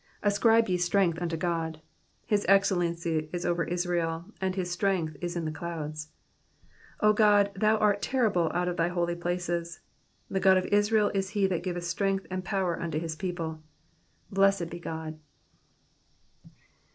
34 Ascribe ye strength unto God : his excellency is over Israel, and his strength is in the clouds. 35 O God, thou art terrible out of thy holy places : the God of Israel is he that giveth strength and power unto his people. Blessed be God.